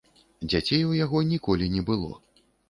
Дзяцей у яго ніколі не было.